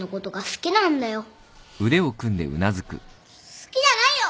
好きじゃないよ。